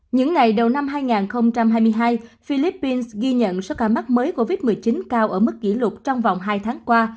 những ngày đầu năm hai nghìn hai mươi hai philippines ghi nhận số ca mắc mới covid một mươi chín cao ở mức kỷ lục trong vòng hai tháng qua